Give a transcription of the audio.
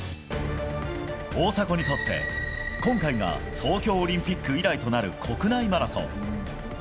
大迫にとって、今回が東京オリンピック以来となる国内マラソン。